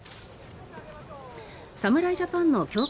侍ジャパンの強化